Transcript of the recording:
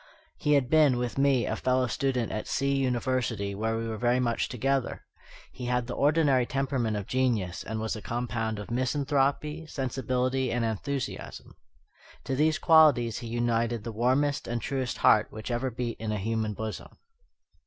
He had been, with me, a fellow student at C University, where we were very much together. He had the ordinary temperament of genius, and was a compound of misanthropy, sensibility, and enthusiasm. To these qualities he united the warmest and truest heart which ever beat in a human bosom.